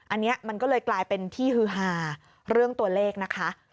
อันนี้มันก็เลยกลายเป็นที่ฮือหาเรื่องตัวเลขนะคะ